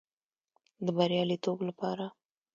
د بریالیتوب لپاره